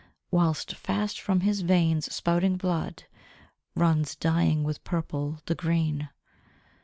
Whilst fast from His veins spouting blood Runs, dyeing with purple the green!